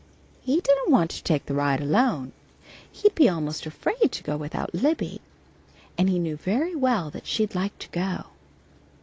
He didn't want to take the ride alone. He'd be almost afraid to go without Libby, and he knew very well that she'd like to go.